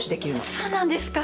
そうなんですか。